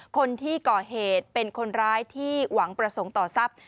คนที่ก่อเหตุเป็นคนร้ายที่หวังประสงค์ต่อทรัพย์